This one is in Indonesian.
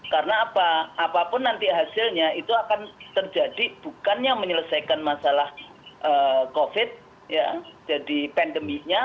karena apa apapun nanti hasilnya itu akan terjadi bukannya menyelesaikan masalah covid sembilan belas jadi pandeminya